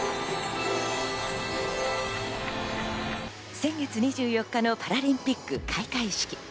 先月２４日のパラリンピック開会式。